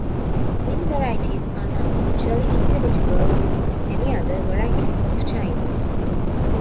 Min varieties are not mutually intelligible with any other varieties of Chinese.